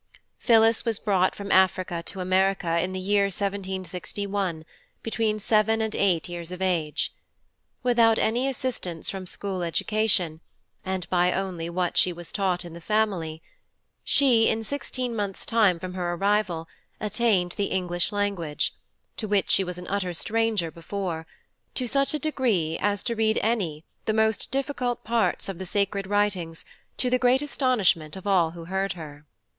PHILLIS was brought from Africa to America, in the Year 1761, between seven and eight Years of Age. Without any Assistance from School Education, and by only what she was taught in the Family, she, in sixteen Months Time from her Arrival, attained the English language, to which she was an utter Stranger before, to such a degree, as to read any, the most difficult Parts of the Sacred Writings, to the great Astonishment of all who heard her.